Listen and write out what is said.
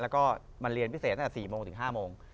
แล้วก็มันเรียนพิเศษตั้งแต่๔โมงถึง๕โมง